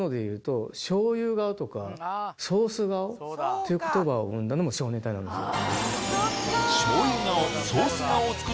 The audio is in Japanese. っていう言葉を生んだのも少年隊なんですよ。